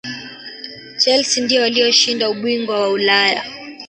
chelsea ndiyo waliyoshinda ubingwa wa ulaya